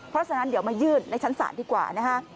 เพราะฉะนั้นเดี๋ยวมายืดในชั้นศาลดีกว่านะคะ